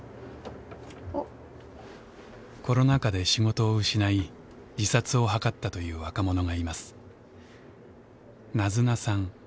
コロナ禍で仕事を失い自殺を図ったという若者がいます。